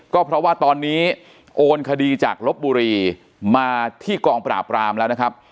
ก็เพราะว่าตอนนี้โอนคดีจากลบบุรีมาที่กองปราบรามแล้วนะครับ